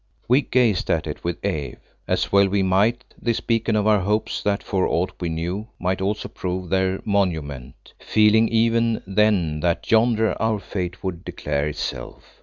We gazed at it with awe, as well we might, this beacon of our hopes that for aught we knew might also prove their monument, feeling even then that yonder our fate would declare itself.